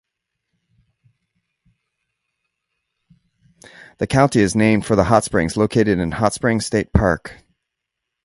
The county is named for the hot springs located in Hot Springs State Park.